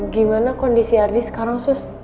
gimana kondisi ardi sekarang sus